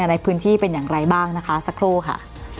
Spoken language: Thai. ในพื้นที่เป็นอย่างไรบ้างนะคะสักครู่ค่ะ